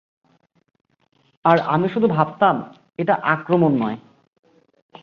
আর আমি শুধু ভাবতাম, 'এটা আক্রমণ নয়।